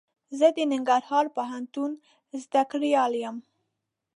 زه د ننګرهار پوهنتون زده کړيال يم.